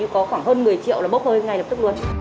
có khoảng hơn một mươi triệu